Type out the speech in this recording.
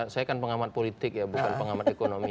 saya kan pengamat politik ya bukan pengamat ekonomi